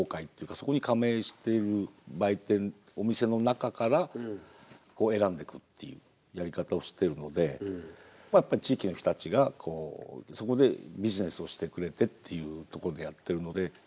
そこに加盟してる売店お店の中から選んでくるっていうやり方をしてるのでやっぱり地域の人たちがこうそこでビジネスをしてくれてっていうところでやってるので。